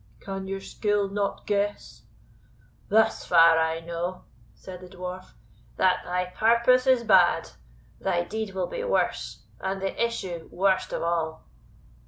"Can your skill not guess?" "Thus far I know," said the Dwarf, "that thy purpose is bad, thy deed will be worse, and the issue worst of all."